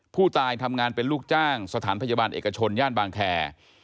ผู้ตายทำงานเป็นลูกจ้างสถานพยาบาลเอกชนย่านบางแคร์